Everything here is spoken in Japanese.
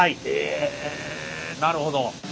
えなるほど。